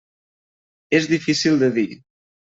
És difícil de dir.